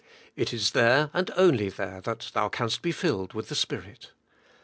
It is there^ and only there^ that thou canst be filled with the Spirit.